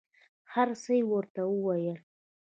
هر څه یې ورته وویل.